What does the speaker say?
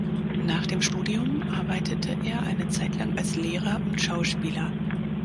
Nach dem Studium arbeitete er eine Zeit lang als Lehrer und Schauspieler.